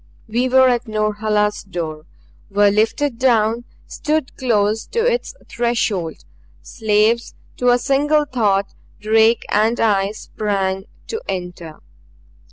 We were at Norhala's door; were lifted down; stood close to its threshold. Slaves to a single thought, Drake and I sprang to enter.